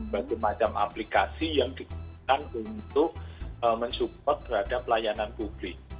bagi macam aplikasi yang digunakan untuk mensupport terhadap layanan publik